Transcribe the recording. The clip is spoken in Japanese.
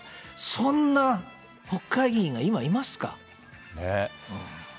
そんな国会議員が今いますか？